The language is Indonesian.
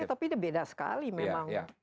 ya tapi beda sekali memang